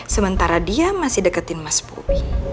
sementara dia masih deketin mas bobi